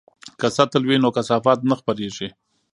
که سطل وي نو کثافات نه خپریږي.